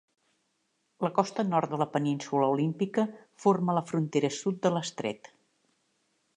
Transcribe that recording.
La costa nord de la península Olímpica forma la frontera sud de l'estret.